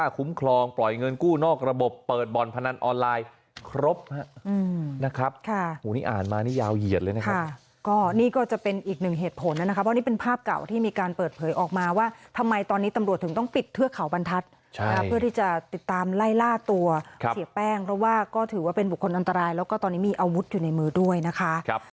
ก็นี่ก็จะเป็นอีกหนึ่งเหตุผลนะครับว่านี่เป็นภาพเก่าที่มีการเปิดเผยออกมาว่าทำไมตอนนี้ตำรวจถึงต้องปิดเทือกเขาบรรทัศน์เพื่อที่จะติดตามไล่ล่าตัวเสียแป้งแล้วว่าก็ถือว่าเป็นบุคคลอันตรายแล้วก็ตอนนี้มีอาวุธอยู่ในมือด้วยนะคะ